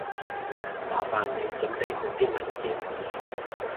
麻煩你準備好啲文件